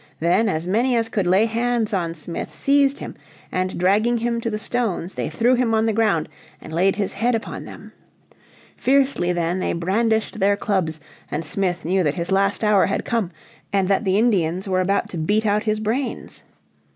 Then as many as could lay hands on Smith seized him, and dragging him to the stones, they threw him on the ground, and laid his head upon them. Fiercely then they brandished their clubs and Smith knew that his last hour had come, and that the Indians were about to beat out his brains.